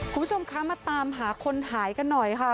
คุณผู้ชมคะมาตามหาคนหายกันหน่อยค่ะ